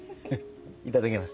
いただきます。